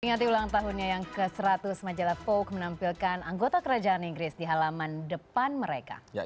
peringati ulang tahunnya yang ke seratus majalah vogue menampilkan anggota kerajaan inggris di halaman depan mereka